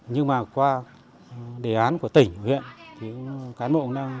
nhưng mà qua đề án của tỉnh ở huyện thì cán bộ cũng biết